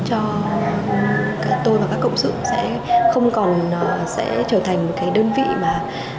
cho tôi và các cộng sự sẽ không còn sẽ trở thành một cái đơn vị mà